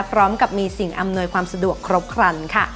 พร้อมกับมีสิ่งอำนวยความสะดวกครบครันค่ะ